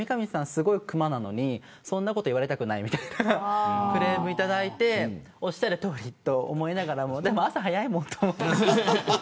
すごいクマなのにそんなこと言われたくないみたいなクレームをいただいておっしゃるとおりと思いながらでも朝早いもんと思って。